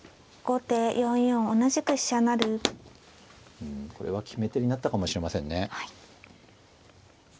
うんこれは決め手になったかもしれませんね。